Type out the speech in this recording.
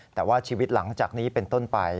แต่ว่าชีวิตหลังจากนี้เป็นต้นไป